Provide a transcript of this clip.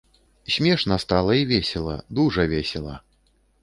Смешна стала і весела, дужа весела.